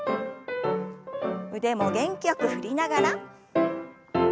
腕も元気よく振りながら。